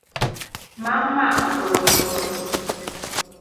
Mama okowoni mos.